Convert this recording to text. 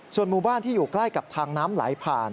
ส่วนหมู่บ้านที่อยู่ใกล้กับทางน้ำไหลผ่าน